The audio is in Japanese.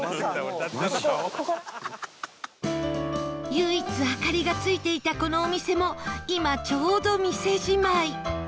唯一明かりがついていたこのお店も今ちょうど店じまい